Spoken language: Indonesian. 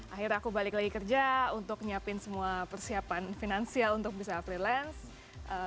akhirnya aku balik lagi kerja untuk nyiapin semua persiapan finansial untuk bisa freelance